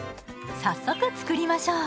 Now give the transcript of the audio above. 早速作りましょう。